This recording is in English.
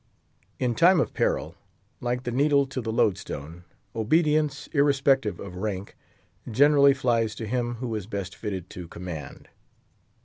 In time of peril, like the needle to the loadstone, obedience, irrespective of rank, generally flies to him who is best fitted to command.